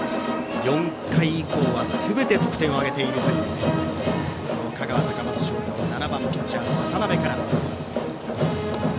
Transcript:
４回以降はすべて得点を挙げているという香川・高松商業打席は７番、ピッチャーの渡辺から。